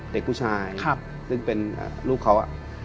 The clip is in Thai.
เด็กผู้ชายซึ่งเป็นลูกเขา